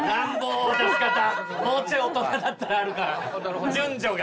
もうちょい大人だったらあるから順序が。